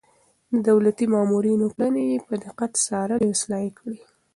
د دولتي مامورينو کړنې يې په دقت څارلې او اصلاح يې کړې.